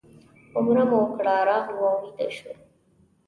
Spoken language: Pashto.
عمره مو وکړه راغلو او ویده شوو.